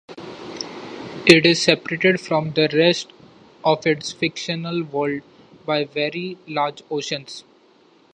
It is separated from the rest of its fictional world by very large oceans.